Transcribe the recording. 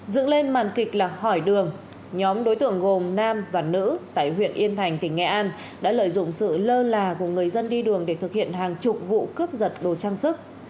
dựng lên màn kịch là hỏi đường nhóm đối tượng gồm nam và nữ tại huyện yên thành tỉnh nghệ an đã lợi dụng sự lơ là của người dân đi đường để thực hiện hàng chục vụ cướp giật đồ trang sức